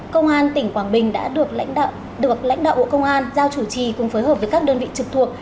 công an tỉnh quảng bình đã được lãnh đạo bộ công an giao chủ trì cùng phối hợp với các đơn vị trực thuộc